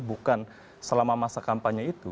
bukan selama masa kampanye itu